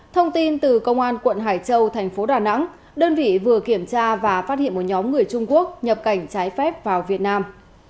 thông tin từ công an quận hải châu thành phố đà nẵng đơn vị vừa kiểm tra và phát hiện một nhóm người trung quốc nhập cảnh trái phép vào việt nam